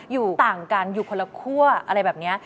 อยู่ต่างกันอยู่คนละคั่วอะไรแบบนี้